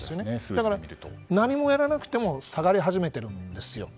だから、何もやらなくても下がり始めているんですよ。